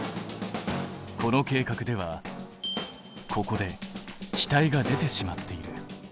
この計画ではここで気体が出てしまっている。